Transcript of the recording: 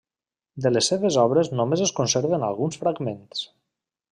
De les seves obres només es conserven alguns fragments.